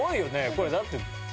これだって。